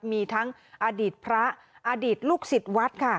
มีทั้งอดีตพระอดีตลูกศิษย์วัดค่ะ